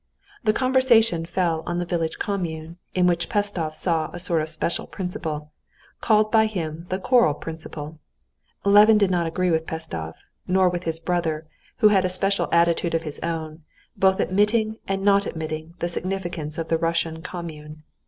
The conversation fell on the village commune, in which Pestsov saw a sort of special principle, called by him the "choral" principle. Levin did not agree with Pestsov, nor with his brother, who had a special attitude of his own, both admitting and not admitting the significance of the Russian commune.